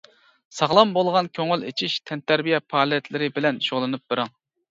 ساغلام بولغان كۆڭۈل ئىچىش، تەنتەربىيە پائالىيەتلىرى بىلەن شۇغۇللىنىپ بېرىڭ.